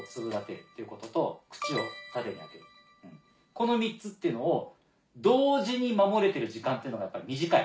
この３つっていうのを同時に守れてる時間っていうのがやっぱり短い。